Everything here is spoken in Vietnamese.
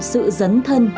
sự dấn thân